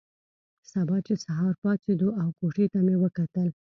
سبا چې سهار پاڅېدو او کوټې ته مې وکتل.